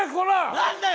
何だよ！